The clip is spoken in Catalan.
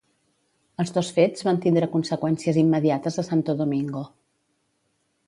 Els dos fets van tindre conseqüències immediates a Santo Domingo.